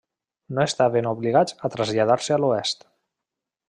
No estaven obligats a traslladar-se a l'oest.